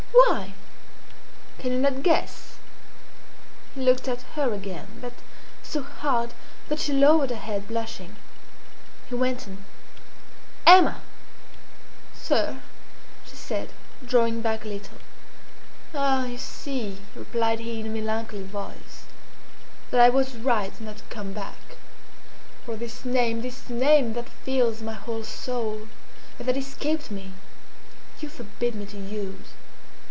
"Why?" "Can you not guess?" He looked at her again, but so hard that she lowered her head, blushing. He went on "Emma!" "Sir," she said, drawing back a little. "Ah! you see," replied he in a melancholy voice, "that I was right not to come back; for this name, this name that fills my whole soul, and that escaped me, you forbid me to use!